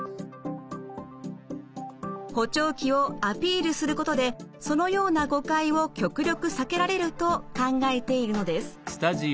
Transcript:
補聴器をアピールすることでそのような誤解を極力避けられると考えているのです。